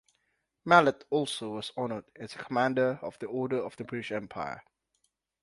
Mallet also was honored as a Commander of the Order of the British Empire.